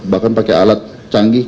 bahkan pakai alat canggih